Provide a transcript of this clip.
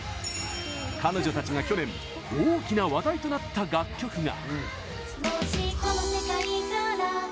彼女たちが去年大きな話題となった楽曲が。